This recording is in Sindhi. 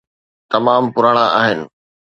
تمام پراڻا آهن.